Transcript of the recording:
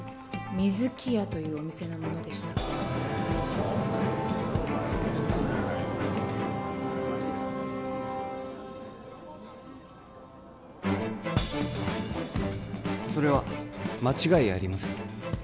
水木屋というお店のものでしたそれは間違いありませんか？